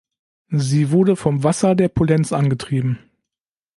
Sie wurde vom Wasser der Polenz angetrieben.